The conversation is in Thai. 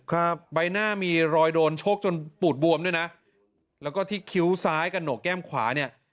ครับใบหน้ามีรอยโดนชกจนปูดบวมด้วยนะแล้วก็ที่คิ้วซ้ายกระโหกแก้มขวาเนี่ย